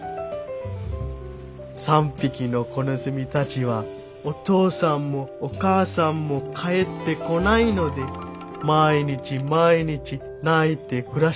「３匹の子ネズミたちはお父さんもお母さんも帰ってこないので毎日毎日泣いて暮らしてました。